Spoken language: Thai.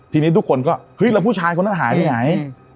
ทีนี้ทุกคนก็เฮ้ยแล้วผู้ชายคนนั้นหายไปไหน